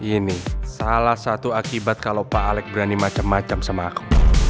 ini salah satu akibat kalau pak alec berani macem macem sama aku